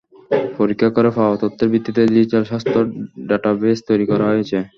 পরীক্ষা করে পাওয়া তথ্যের ভিত্তিতে ডিজিটাল স্বাস্থ্য ডেটাবেইস তৈরি করা হয়েছে।